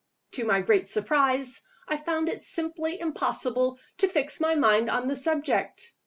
To my great surprise, I found it simply impossible to fix my mind on the subject.